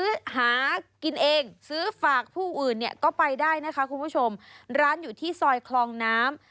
ซื้อหากินเองซื้อฝากผู้อื่นเนี่ยก็ไปได้นะคะคุณผู้ชมร้านอยู่ที่ซอยคลองน้ำ